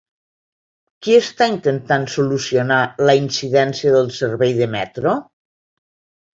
Qui està intentant solucionar la incidència del servei de metro?